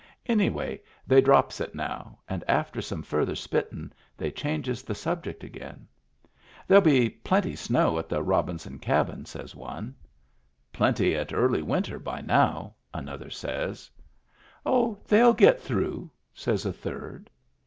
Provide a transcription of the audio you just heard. Anyway they drops it now, and after some further spittin' they changes the subject again. "There'll be plenty snow at the Robinson Cabin," says one. Digitized by VjOOQIC 264 MEMBERS OF THE FAMILY " Plenty at Early Winter by now," another says. " Oh, theyll get through," says a third.